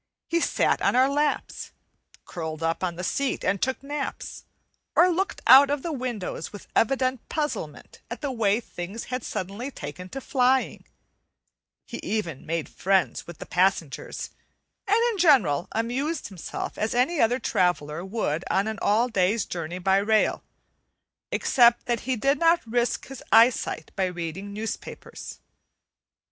He sat on our laps, curled up on the seat and took naps, or looked out of the windows with evident puzzlement at the way things had suddenly taken to flying; he even made friends with the passengers, and in general amused himself as any other traveller would on an all day's journey by rail, except that he did not risk his eyesight by reading newspapers.